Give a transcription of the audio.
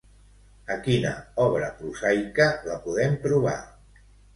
A quina obra prosaica la podem trobar?